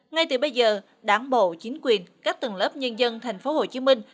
ngay từ bây giờ đảng bộ chính quyền các tầng lớp nhân dân thành phố hồ chí minh